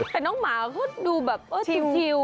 แต่น้องหมาก็ดูเงียบ